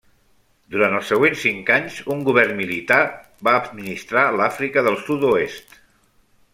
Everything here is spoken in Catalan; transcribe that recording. Durant els següents cinc anys, un govern militar va administrar l'Àfrica del Sud-oest.